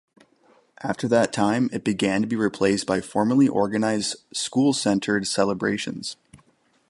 After that time, it began to be replaced by formally organised school-centred celebrations.